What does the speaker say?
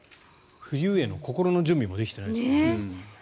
冬への心の準備もできてないですもんね。